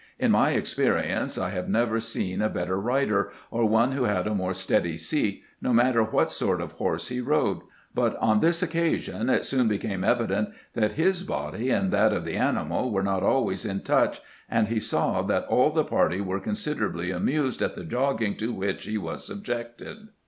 In my experience I have never seen a better rider, or one who had a more steady seat, no matter what sort of horse he rode ; but on this occasion it soon became evident that his body and that of the animal were not always in touch, and he saw that all the party were considerably amused at the jogging to which he was subjected.